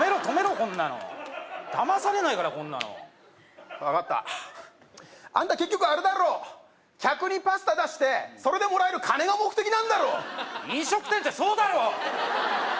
こんなのだまされないからこんなの分かったアンタ結局あれだろ客にパスタ出してそれでもらえる金が目的なんだろ飲食店ってそうだろ！